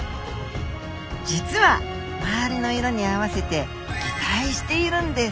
実は周りの色に合わせて擬態しているんです